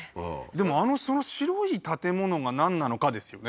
でもあの白い建物がなんなのかですよね